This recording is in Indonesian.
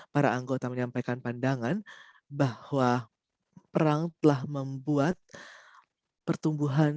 para anggota menyampaikan pandangan bahwa perang telah membuat pertumbuhan